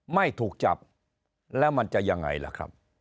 ไม่ถูกจับแล้วมันจะยังไงล่ะครับ